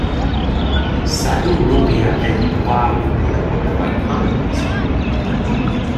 "Sagu Rumbia" and "Buah Rumbia" were quite common in this area.